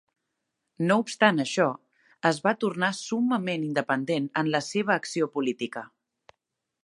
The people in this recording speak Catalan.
No obstant això, es va tornar summament independent en la seva acció política.